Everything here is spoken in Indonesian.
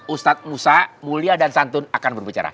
ustadz musa mulia dan santun akan berbicara